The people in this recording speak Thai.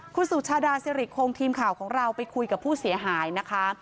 คุณสุชาดาสิริคงทีมข่าวของเราไปคุยกับผู้เสียหายนะคะ